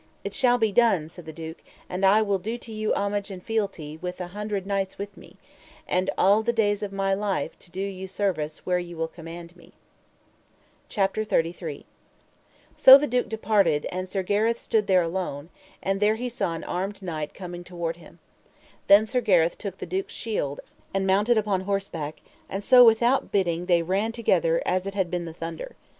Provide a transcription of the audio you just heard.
It shall be done, said the duke, and I will do to you homage and fealty with an hundred knights with me; and all the days of my life to do you service where ye will command me. CHAPTER XXXIII. How Sir Gareth and Sir Gawaine fought each against other, and how they knew each other by the damosel Linet. So the duke departed, and Sir Gareth stood there alone; and there he saw an armed knight coming toward him. Then Sir Gareth took the duke's shield, and mounted upon horseback, and so without biding they ran together as it had been the thunder.